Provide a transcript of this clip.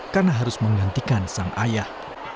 karena harus menggantikan sang ayah